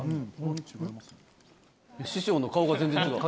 師匠の顔が全然違う。